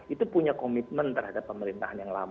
itu punya komitmen terhadap pemerintahan yang lama